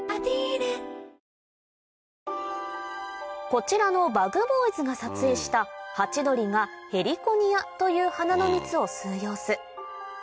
こちらのＢｕｇＢｏｙｓが撮影したハチドリがヘリコニアという花の蜜を吸う様子